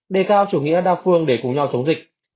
đề cao chủ nghĩa đa phương để cùng nhau chống dịch